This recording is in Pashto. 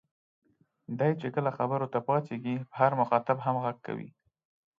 دی چې کله خبرو ته پاڅېږي په هر مخاطب هم غږ کوي.